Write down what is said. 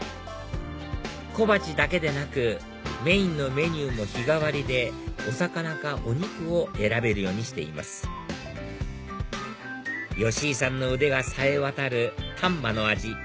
小鉢だけでなくメインのメニューも日替わりでお魚かお肉を選べるようにしています吉井さんの腕がさえわたる丹波の味